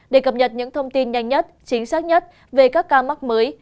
để cập nhật những thông tin nhanh nhất chính xác nhất về các ca mắc mới